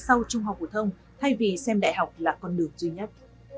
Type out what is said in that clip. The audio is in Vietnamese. sau trung học phổ thông thay vì xem đại học là con đường duy nhất